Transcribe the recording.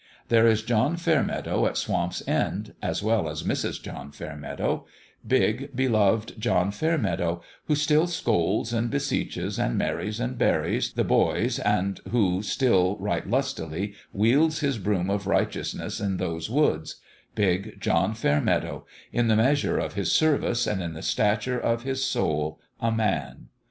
There is John Fairmeadow at Swamp's End, as well as Mrs. John Fairmeadow : big, beloved John Fair meadow, who still scolds and beseeches, and marries and buries, the boys, and who still right lustily wields his broom of righteousness in those woods big John Fairmeadow : in the measure of his service and in the stature of his soul a* Man.